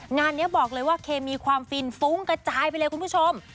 งานนี้บอกเลยว่าเคมีความฟินฟุ้งกระจายไปเลยคุณผู้ชม